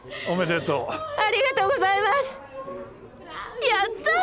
おめでとう！